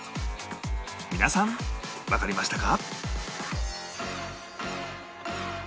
皆さんわかりましたか？